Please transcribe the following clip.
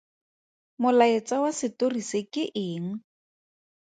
Molaetsa wa setori se ke eng?